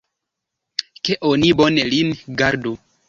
Ke oni bone lin gardu!